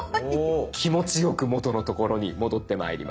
気持ちよく元の所に戻ってまいります。